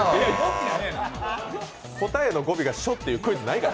答えの語尾が「しょ」っていうクイズないから。